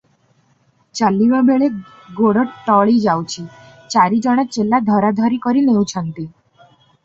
ଚାଲିବା ବେଳେ ଗୋଡ ଟଳି ଯାଉଛି, ଚାରି ଜଣ ଚେଲା ଧରାଧରି କରି ନେଉଛନ୍ତି ।